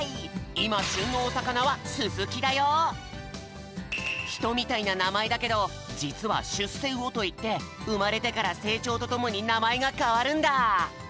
いましゅんのおさかなはひとみたいななまえだけどじつはしゅっせうおといってうまれてからせいちょうとともになまえがかわるんだ。